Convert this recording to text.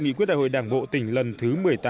nghị quyết đại hội đảng bộ tỉnh lần thứ một mươi tám